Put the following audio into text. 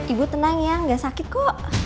ibu tenang ya nggak sakit kok